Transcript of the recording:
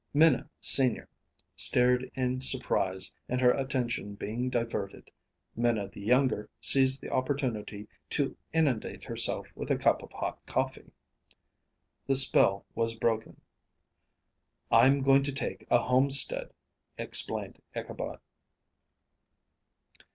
Minna, senior, stared in surprise, and her attention being diverted, Minna the younger seized the opportunity to inundate herself with a cup of hot coffee. The spell was broken. "I'm going to take a homestead," explained Ichabod.